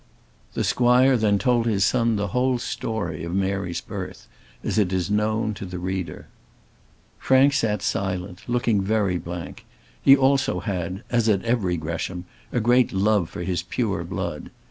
The squire then told his son the whole story of Mary's birth, as it is known to the reader. Frank sat silent, looking very blank; he also had, as had every Gresham, a great love for his pure blood.